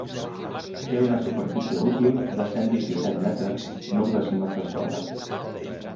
Té una superfície útil de cent vint-i-set metres, nou decímetres quadrats.